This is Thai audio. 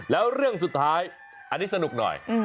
แล้วเรื่องสุดท้ายอันนี้สนุกหน่อย